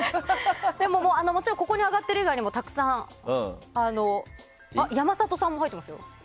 でも、もちろんここに挙がっている以外で山里さんも入ってますよ。